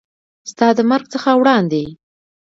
ستا د مرګ څخه وړاندې